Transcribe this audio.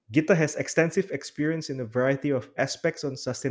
gita memiliki pengalaman yang luas di berbagai aspek kesehatan